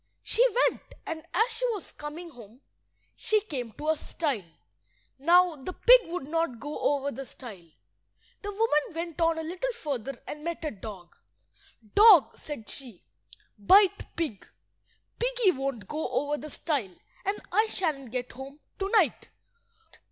She went; and as she was coming home she came to a stile. Now the pig would not go over the stile. The woman went on a little further and met a dog— "Dog," said she, "bite pig. Piggy won't go over the stile, and I shan't get home to–night."